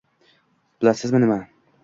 Bilasizmi nima?